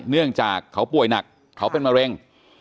เนื่องจากเขาป่วยหนักเขาเป็นมะเร็ง